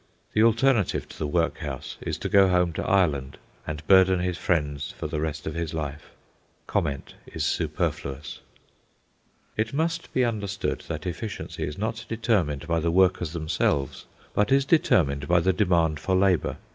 The alternative to the workhouse is to go home to Ireland and burden his friends for the rest of his life. Comment is superfluous. It must be understood that efficiency is not determined by the workers themselves, but is determined by the demand for labour.